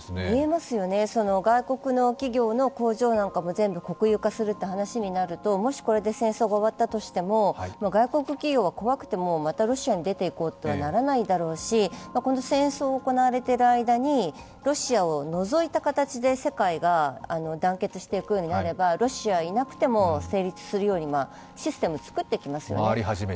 見えますよね、外国の企業の工場なんかも全部国有化するという話になるともしこれで戦争が終わったとしても外国企業は怖くて、またロシアに出て行こうとはならないだろうし、この戦争が行われている間にロシアを除いた形で世界が団結していくようになればロシアがいなくても成立するようにシステム作っていきますよね。